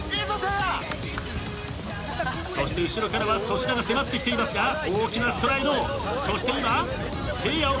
そして後ろからは粗品が迫ってきていますが大きなストライドそして今せいやを。